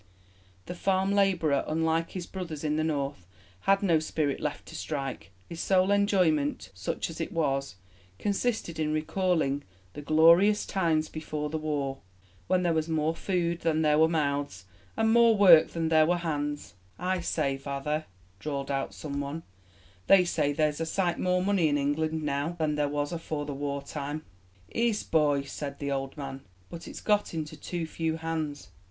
The farm labourer, unlike his brothers in the North, had no spirit left to strike. His sole enjoyment such as it was consisted in recalling "'the glorious times before the war ... when there was more food than there were mouths, and more work than were hands.' "'I say, vather,' drawled out some one, 'they say there's a sight more money in England now than there was afore the war time.' "'Ees, booy,' said the old man, 'but it's got into too few hands.'"